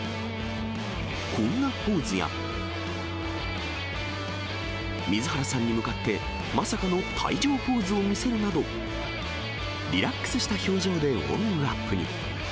こんなポーズや、水原さんに向かって、まさかの退場ポーズを見せるなど、リラックスした表情でウォーミングアップに。